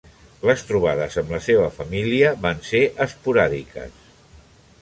Les trobades amb la seva família van ser esporàdiques.